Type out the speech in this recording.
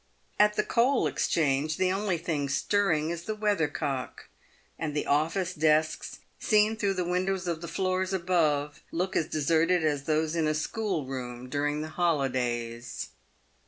At the Coal Exchange, the only thing PAYED WITH GOLD. 27 stirring is the weathercock, and the office desks, seen through the windows of the floors above, look as deserted as those in a schoolroom during the holidays.